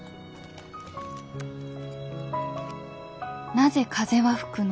「なぜ風はふくの？